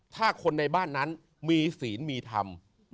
ถ้าคนในบ้านนั้นมีศีลมีธรรม